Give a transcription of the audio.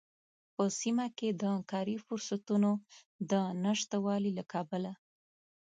په سيمه کې د کاری فرصوتونو د نشتوالي له کبله